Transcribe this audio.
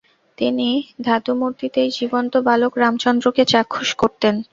তিনি ধাতুমূর্তিতেই জীবন্ত বালক রামচন্দ্রকে চাক্ষুষ করতেন।